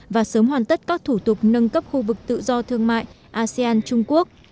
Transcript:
và sớm hoàn tất các thủ tục nâng cấp khu vực tự do thương mại asean trung quốc